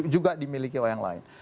juga dimiliki oleh yang lain